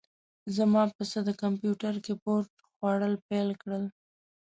زما پسه د کمپیوتر کیبورډ خوړل پیل کړل.